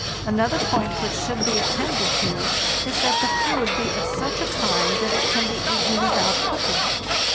Another point which should be attended to is that the food be of such a kind that it can be eaten without cooking.